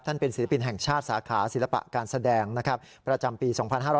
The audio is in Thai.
ท่านเป็นศิลปินแห่งชาติสาขาศิลปะการแสดงนะครับประจำปี๒๕๓๖